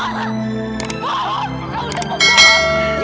kamu itu mau ngelakuin